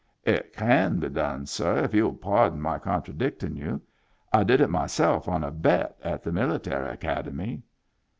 " It can be done, ^ir, if you will pardon my con tradicting you. I did it myself on a bet at the Military Academy."